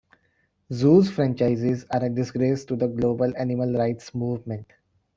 Zoos franchises are a disgrace to the global animal rights movement.